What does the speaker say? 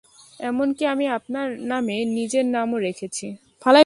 এমনকি আমি আপনার নামে নিজের নামও রেখেছি।